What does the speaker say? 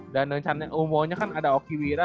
dan umuanya kan ada okiwira